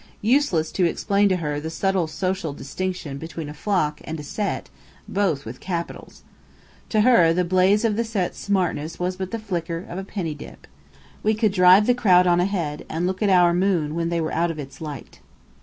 Useless to explain to her the subtle social distinction between a "Flock" and a "Set" (both with capitals)! To her, the blaze of the Set's smartness was but the flicker of a penny dip. We could drive the crowd on ahead, and look at our moon when they were out of its light.